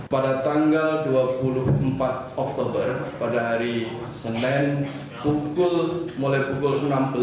pada tanggal dua puluh empat oktober pada hari senin mulai pukul enam belas